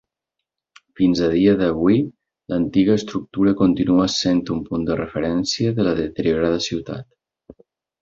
Fins a dia d'avui, l'antiga estructura continua sent un punt de referència de la deteriorada ciutat.